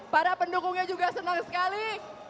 para pendukungnya juga senang sekali